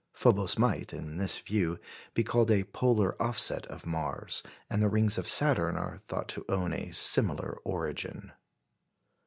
Phobos might, in this view, be called a polar offset of Mars; and the rings of Saturn are thought to own a similar origin.